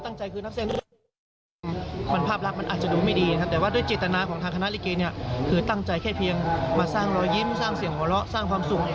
แล้วพาบรักมันอาจจะดูไม่ดีแต่ว่าด้วยจิตนาของทางคณะลิเกงี่น่ะคือตั้งใจแค่เพียงมาสร้างรอยยิ้มสร้างเสียงหล่อสร้างความสุข